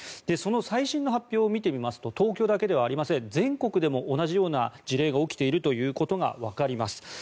その最新の発表を見てみますと東京だけではありません全国でも同じような事例が起きているということがわかります。